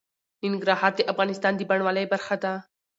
ننګرهار د افغانستان د بڼوالۍ برخه ده.